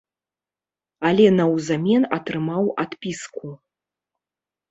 Але наўзамен атрымаў адпіску.